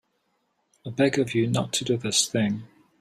I beg of you not to do this thing.